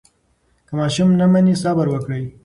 که ماشوم نه مني، صبر وکړئ.